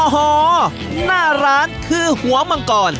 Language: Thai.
โอ้โหหน้าร้านคือหัวมังกร